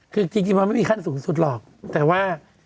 คือจริงมันไม่มีขั้นสูงสุดหรอกแต่ว่า